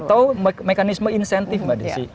atau mekanisme insentif mbak desi